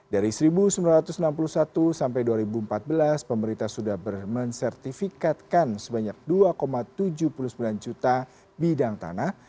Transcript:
dari seribu sembilan ratus enam puluh satu sampai dua ribu empat belas pemerintah sudah mensertifikatkan sebanyak dua tujuh puluh sembilan juta bidang tanah